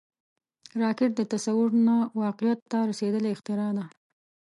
راکټ د تصور نه واقعیت ته رسیدلی اختراع ده